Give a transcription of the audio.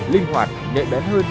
linh hoạt nhẹ bé hơn